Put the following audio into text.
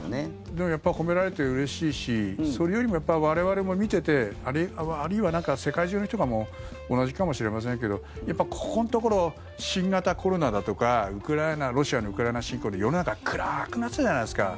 でもやっぱり褒められてうれしいしそれよりも我々も見ててあるいは世界中の人が同じかもしれませんけどここのところ新型コロナだとかロシアのウクライナ侵攻で世の中暗くなってたじゃないですか。